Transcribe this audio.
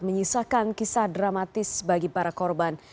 menyisakan kisah dramatis bagi para korban